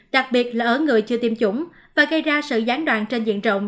đặc biệt là ở người chưa tiêm chủng và gây ra sự gián đoạn trên diện rộng